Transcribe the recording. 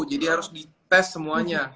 jadi harus dites semuanya